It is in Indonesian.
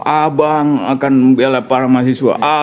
ah bang akan membela para mahasiswa